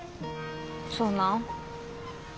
そうなん？